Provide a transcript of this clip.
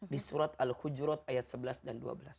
di surat al hujurat ayat sebelas dan dua belas